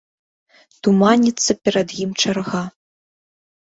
Туманіцца перад ім чарга.